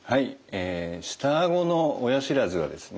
え下あごの親知らずはですね